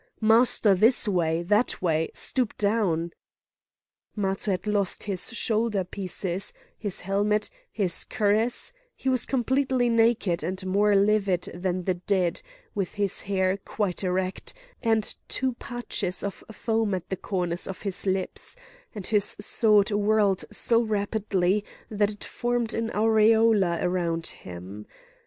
"Master, this way! that way! stoop down!" Matho had lost his shoulder pieces, his helmet, his cuirass; he was completely naked, and more livid than the dead, with his hair quite erect, and two patches of foam at the corners of his lips,—and his sword whirled so rapidly that it formed an aureola around him.